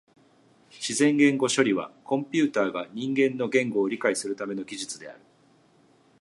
自然言語処理はコンピュータが人間の言語を理解するための技術である。